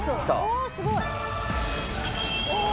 おーすごい。